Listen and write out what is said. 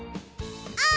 「あ」